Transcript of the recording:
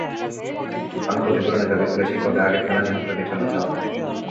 আমি ক্ষতিপূরণের দাবি করেছি, তবে আগে ফেলানী হত্যার বিচার হতে হবে।